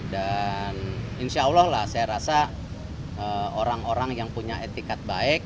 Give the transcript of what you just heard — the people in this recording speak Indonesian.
dan insya allah lah saya rasa orang orang yang punya etikat baik